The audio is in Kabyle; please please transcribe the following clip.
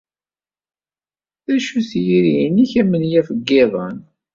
D acu-t yiri-nnek amenyaf n yiḍan?